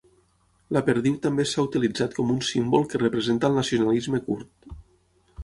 La perdiu també s"ha utilitzat com un símbol que representa el nacionalisme kurd.